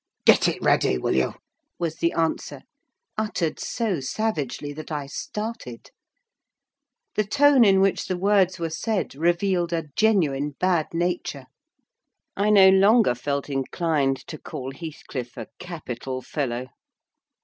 "Get it ready, will you?" was the answer, uttered so savagely that I started. The tone in which the words were said revealed a genuine bad nature. I no longer felt inclined to call Heathcliff a capital fellow.